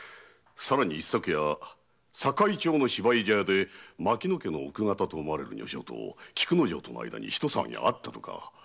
一昨夜堺町の芝居茶屋で牧野家の奥方らしき女性と菊之丞との間にひと騒ぎあったとか。